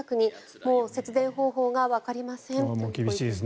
もう節電方法がわかりません。